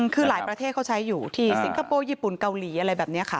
คือหลายประเทศเขาใช้อยู่ที่สิงคโปร์ญี่ปุ่นเกาหลีอะไรแบบนี้ค่ะ